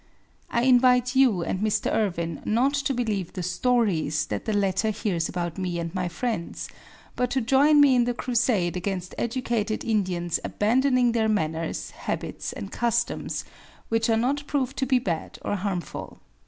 I invite you and Mr. Irwin not to believe the "stories" that the latter hears about me and my friends, but to join me in the crusade against educated Indians abandoning their manners, habits and customs which are not proved to be bad or harmful.